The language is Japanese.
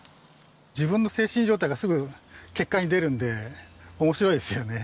自分の精神状態がすぐ結果に出るんで面白いですよね。